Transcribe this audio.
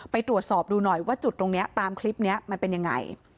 ไปตรวจสอบดูหน่อยว่าจุดตรงนี้ตามคลิปนี้มันเป็นยังไง